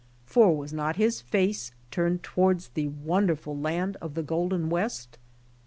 For was not his face turned towards the wonderful land of the Golden West?